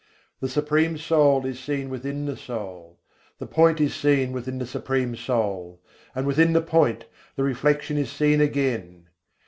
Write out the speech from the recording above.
The Supreme Soul is seen within the soul, The Point is seen within the Supreme Soul, And within the Point, the reflection is seen again.